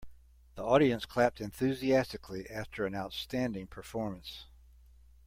The audience clapped enthusiastically after an outstanding performance.